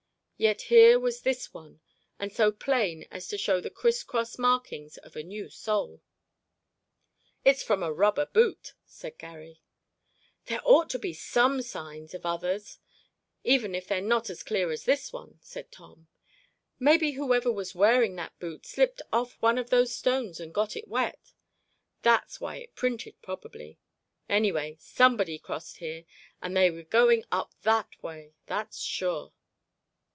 Yet here was this one, and so plain as to show the criss cross markings of a new sole. "It's from a rubber boot," said Garry. "There ought to be some signs of others even if they're not as clear as this one," said Tom. "Maybe whoever was wearing that boot slipped off one of those stones and got it wet. That's why it printed, probably. Anyway, somebody crossed here and they were going up that way, that's sure."